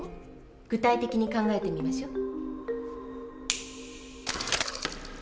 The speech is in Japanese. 具体的に考えてみましょう。